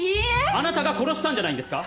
あなたが殺したんじゃないんですか？